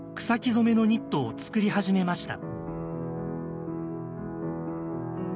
染めのニットを作り始めました。